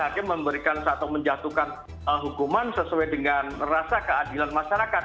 hakim memberikan atau menjatuhkan hukuman sesuai dengan rasa keadilan masyarakat